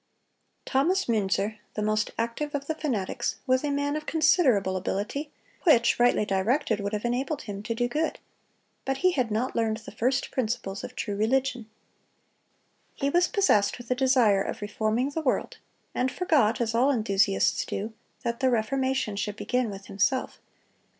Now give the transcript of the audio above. (275) Thomas Münzer, the most active of the fanatics, was a man of considerable ability, which, rightly directed, would have enabled him to do good; but he had not learned the first principles of true religion. "He was possessed with a desire of reforming the world, and forgot, as all enthusiasts do, that the reformation should begin with himself."